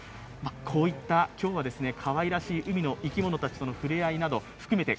こういったかわいらしい海の生き物たちとのふれあいも含めて